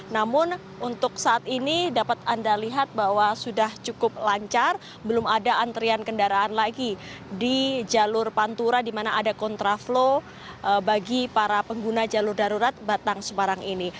namun untuk saat ini dapat anda lihat bahwa sudah cukup lancar belum ada antrian kendaraan lagi di jalur pantura di mana ada kontraflow bagi para pengguna jalur darurat batang semarang ini